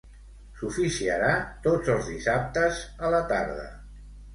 S'oficiarà tots els dissabtes a la tarda.